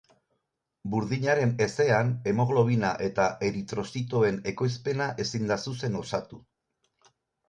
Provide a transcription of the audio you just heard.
Burdinaren ezean, hemoglobina eta eritrozitoen ekoizpena ezin da zuzen osatu.